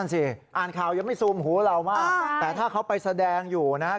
สิอ่านข่าวยังไม่ซูมหูเรามากแต่ถ้าเขาไปแสดงอยู่นะฮะ